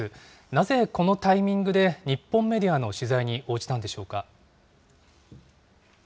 なぜこのタイミングで日本メディアの取材に応じたんでしょうか。